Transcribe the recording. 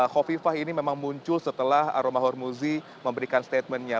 kofifa ini memang muncul setelah aromahormuzi memberikan statementnya